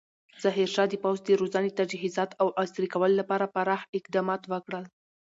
ظاهرشاه د پوځ د روزنې، تجهیزات او عصري کولو لپاره پراخ اقدامات وکړل.